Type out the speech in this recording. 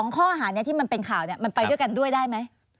ข้อหานี้ที่มันเป็นข่าวมันไปด้วยกันด้วยได้ไหม